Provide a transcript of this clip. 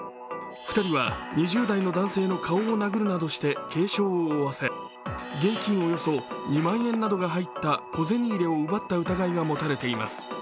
２人は２０代の男性の顔を殴るなどして軽傷を負わせ、現金およそ２万円などが入った小銭入れを奪った疑いが持たれています。